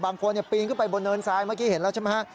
ปีนขึ้นไปบนเนินทรายเมื่อกี้เห็นแล้วใช่ไหมฮะ